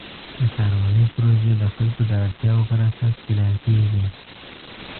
د ښاروالۍ پروژې د خلکو د اړتیاوو پر اساس پلان کېږي.